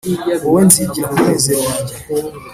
wowe nzigira kumunezero wanjye